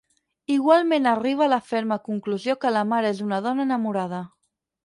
Igualment arriba a la ferma conclusió que la mare és una dona enamorada.